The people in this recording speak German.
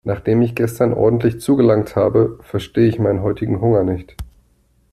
Nachdem ich gestern ordentlich zugelangt habe, verstehe ich meinen heutigen Hunger nicht.